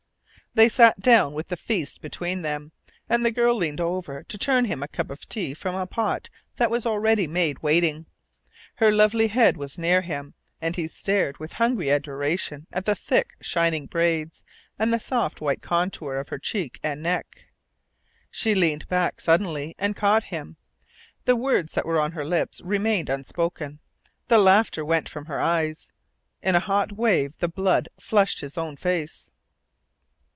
They sat down, with the feast between them, and the girl leaned over to turn him a cup of tea from a pot that was already made and waiting. Her lovely head was near him, and he stared with hungry adoration at the thick, shining braids, and the soft white contour of her cheek and neck. She leaned back suddenly, and caught him. The words that were on her lips remained unspoken. The laughter went from her eyes. In a hot wave the blood flushed his own face.